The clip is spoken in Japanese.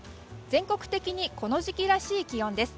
全国的にこの時期らしい気温です。